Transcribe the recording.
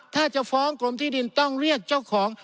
ถ้าจะฟ้องกรมที่ดินต้องเรียกเจ้าของ